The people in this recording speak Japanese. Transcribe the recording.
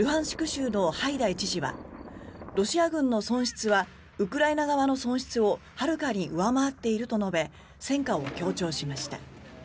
州のハイダイ知事はロシア軍の損失はウクライナ側の損失をはるかに上回っていると述べ戦果を強調しました。